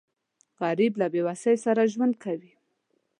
غریب له بېوسۍ سره ژوند کوي